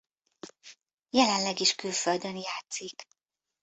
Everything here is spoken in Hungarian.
Jelenleg is külföldön játszik.